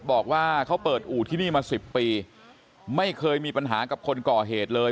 บอกว่าเขาเปิดอู่ที่นี่มา๑๐ปีไม่เคยมีปัญหากับคนก่อเหตุเลย